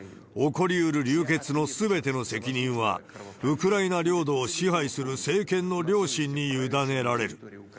起こりうる流血のすべての責任は、ウクライナ領土を支配する政権の良心に委ねられる。